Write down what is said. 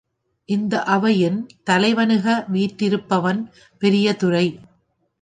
இந்த அவையின் தலைவனுக வீற்றிருப் பவன் பெரியதுரை.